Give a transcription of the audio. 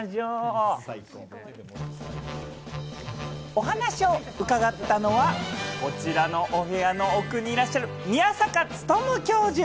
お話を伺ったのはこちらのお部屋の奥にいらっしゃる宮坂力教授。